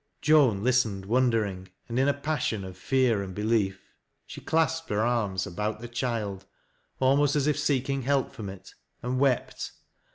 Joan listened wondering, and in a passion ol fear and belief. She clasped her ai ms about the child almost as if seek ing help from it, and wept.